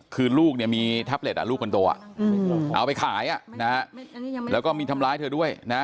คือลูกมีทับเล็ตลูกกันตัวเอาไปขายแล้วก็มีทำร้ายเธอด้วย